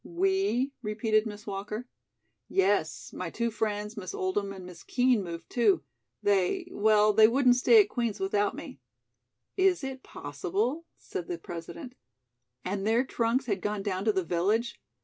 "We?" repeated Miss Walker. "Yes. My two friends, Miss Oldham and Miss Kean, moved, too. They well, they wouldn't stay at Queen's without me." "Is it possible?" said the President. "And their trunks had gone down to the village?